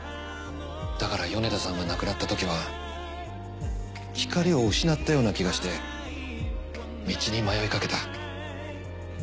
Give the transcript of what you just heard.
だから米田さんが亡くなったときは光を失ったような気がして道に迷いかけた。